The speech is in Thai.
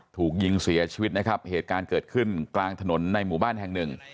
ถูกยิงเสียชีวิตนะครับเหตุการณ์เกิดขึ้นกลางถนนในหมู่บ้านแห่งหนึ่ง